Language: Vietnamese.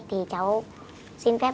thì cháu xin phép